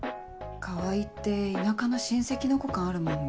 川合って田舎の親戚の子感あるもんね。